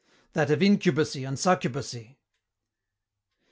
"That of incubacy and succubacy."